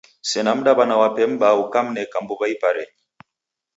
Sena mdaw'ana wape m'baa ukamneka mbuw'a iparenyi.